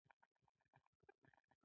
دی را ته ګویان و او ما پایډل واهه.